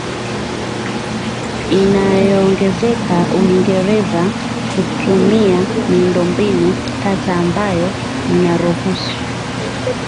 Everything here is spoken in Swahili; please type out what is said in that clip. inayoongezeka Uingereza hutumia miundombinu tata ambayo inaruhusu